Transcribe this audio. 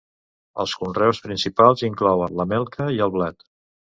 Els conreus principals inclouen la melca i el blat.